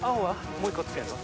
もう１個付けんの？